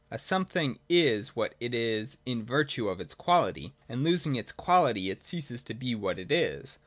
A Something is what it is in virtue of its quality, and losing its quality it ceases to be what it is.